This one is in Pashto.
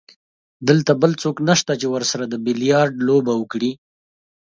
دلته بل څوک نشته چې ورسره د بیلیارډ لوبه وکړي.